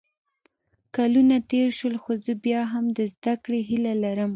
کلونه تېر شول خو زه بیا هم د زده کړې هیله لرم